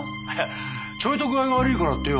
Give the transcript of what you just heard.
ちょいと具合が悪いからってよ